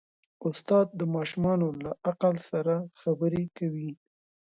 استاد د ماشوم له عقل سره خبرې کوي.